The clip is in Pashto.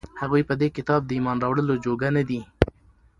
هغوى په دې كتاب د ايمان راوړلو جوگه نه دي،